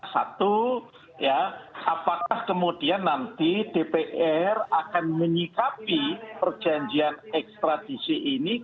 satu apakah kemudian nanti dpr akan menyikapi perjanjian ekstradisi ini